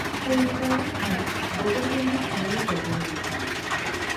পরিণত অবস্থায় বেদের গণ্ডী ছাড়াইয়া যাইতে হইবে।